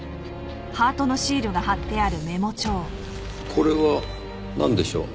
これはなんでしょう？